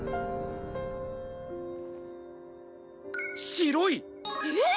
白い⁉えっ！